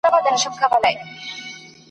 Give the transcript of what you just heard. چي له هنده مي هم مال را رسېدلی !.